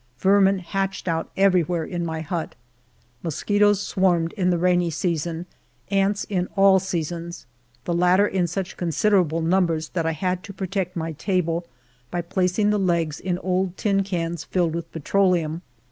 Vermin hatched out everywhere in my hut. Mosquitoes swarmed in the rainy season, ants in all seasons, the latter in such considerable numbers that I had to protect my table by placing the legs in old tin cans filled with petroleum.